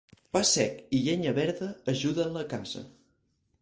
Pa sec i llenya verda ajuden la casa.